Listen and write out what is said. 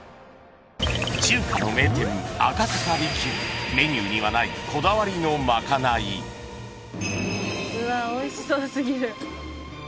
・中華の名店・赤坂璃宮メニューにはないこだわりのまかないうわおいしそう過ぎる。